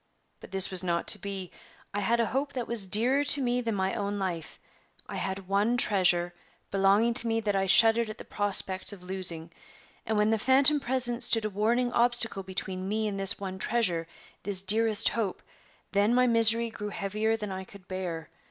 But this was not to be. I had a hope that was dearer to me than my own life; I had one treasure belonging to me that I shuddered at the prospect of losing; and when the phantom presence stood a warning obstacle between me and this one treasure, this dearest hope, then my misery grew heavier than I could bear.